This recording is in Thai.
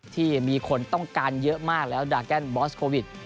ที่มีคนต้องการเยอะมากแล้วดาแกนบอสโควิด